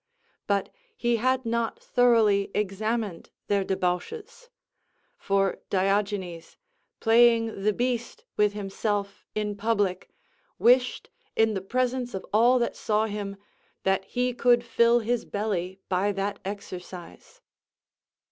But he had not thoroughly examined their debauches; for Diogenes, playing the beast with himself in public, wished, in the presence of all that saw him, that he could fill his belly by that exercise.